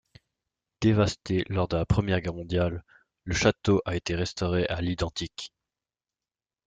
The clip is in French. Dévasté lors de la Première guerre mondiale, le château a été restauré à l'identique.